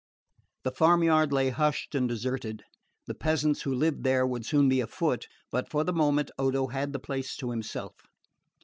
The farmyard lay hushed and deserted. The peasants who lived there would soon be afoot; but for the moment Odo had the place to himself.